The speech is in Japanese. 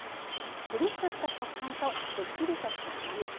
プリッとした食感とすっきりとした甘み。